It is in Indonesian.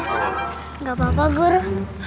tidak apa apa guru